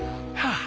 ああ！